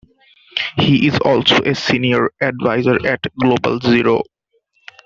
He is also a senior advisor at Global Zero.